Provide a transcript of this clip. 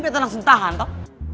betta langsung tahan tau